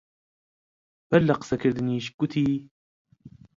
بەر لە قسە کردنیش گوتی: